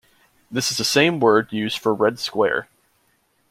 This is the same word used for "Red Square".